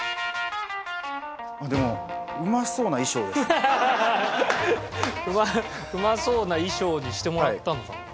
でもうまそうな衣装にしてもらったのかも。